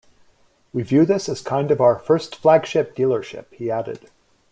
"We view this as kind of our first flagship dealership," he added.